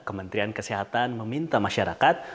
kementerian kesehatan meminta masyarakat